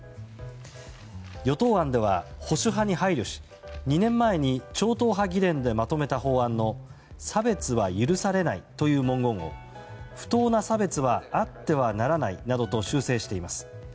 与党案では保守派に配慮し２年前に超党派議連でまとめた法案の差別は許されないという文言を不当な差別はあってはならないなどと修正しています。